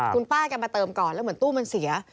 คุณป้าแกมาเติมก่อนแล้วเหมือนตู้มันเสีย